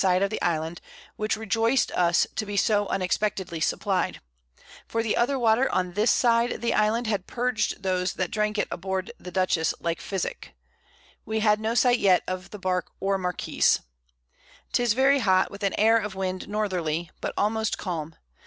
side of the Island, which rejoiced us to be so unexpectedly supplied; for the other Water on this side the Island, [Sidenote: At Anchor at St. Marias Islands.] had purg'd those that drank it aboard the Dutchess like Physick. We had no sight yet of the Bark or Marquiss. 'Tis very hot, with an Air of Wind Northerly, but almost calm.